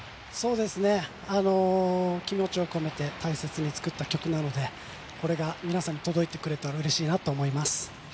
気持ちを込めて、大切に作った曲なので、これが皆さんに届いてくれたらうれしいと思います。